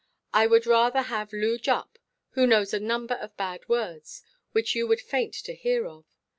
I would rather have Loo Jupp, who knows a number of bad words, which you would faint to hear of.